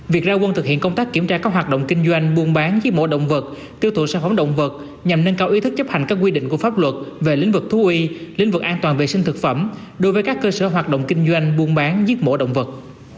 việc ra quân thực hiện công tác kiểm tra các hoạt động kinh doanh buôn bán giết mổ động vật tiêu thụ sản phẩm động vật nhằm nâng cao ý thức chấp hành các quy định của pháp luật về lĩnh vực thú y lĩnh vực an toàn vệ sinh thực phẩm đối với các cơ sở hoạt động kinh doanh buôn bán giết mổ động vật